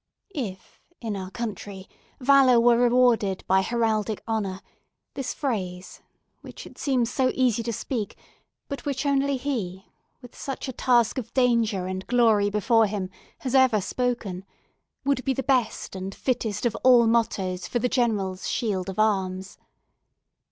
If, in our country, valour were rewarded by heraldic honour, this phrase—which it seems so easy to speak, but which only he, with such a task of danger and glory before him, has ever spoken—would be the best and fittest of all mottoes for the General's shield of arms.